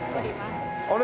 あれ？